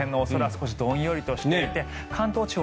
少しどんよりとしていて関東地方